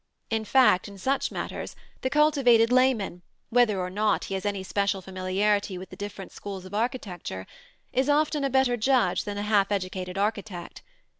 In fact, in such matters the cultivated layman, whether or not he has any special familiarity with the different schools of architecture, is often a better judge than the half educated architect.